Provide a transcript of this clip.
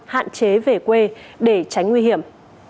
hạn chế về quê để tránh nguy hiểm